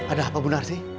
ada apa bu narsi